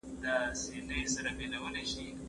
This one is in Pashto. یا مغل له منځه ورک یا پښتون خوار